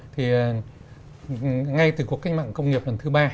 thì ngay từ cuộc cách mạng công nghiệp lần thứ ba